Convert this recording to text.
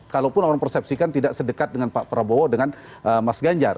kalaupun orang persepsikan tidak sedekat dengan pak prabowo dengan mas ganjar